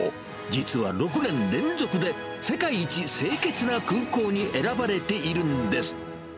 実は６年連続で世界一清潔な空港に選ばれているんです。